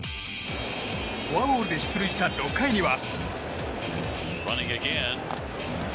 フォアボールで出塁した６回には。